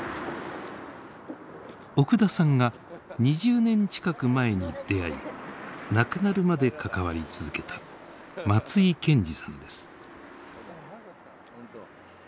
奥田さんが２０年近く前に出会い亡くなるまで関わり続けた松井さんです。